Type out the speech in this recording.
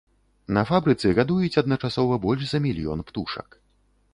На фабрыцы гадуюць адначасова больш за мільён птушак.